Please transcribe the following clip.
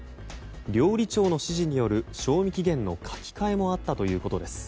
料理長の指示による賞味期限の書き換えもあったということです。